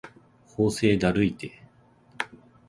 法政だるいて